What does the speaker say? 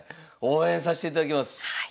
応援さしていただきます！